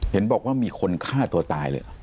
เห็นบอกว่ามีคนฆ่าตัวตายเลยเหรอ